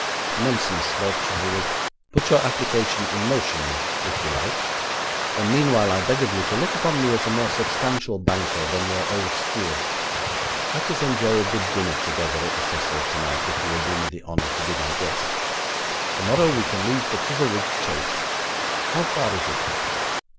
'Nonsense, Lord Chizelrigg. Put your application in motion, if you like. Meanwhile I beg of you to look upon me as a more substantial banker than your old steward. Let us enjoy a good dinner together at the Cecil tonight, if you will do me the honour to be my guest. Tomorrow we can leave for Chizelrigg Chase. How far is it?'